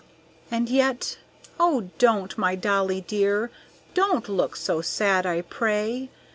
And yet oh, don't! my dolly dear, Don't look so sad, I pray!